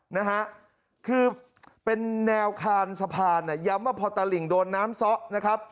นะฮะคือเป็นแนวคานสะพานเนี่ยย้ำว่าพอตะหลิ่งโดนน้ำซ้อนะครับ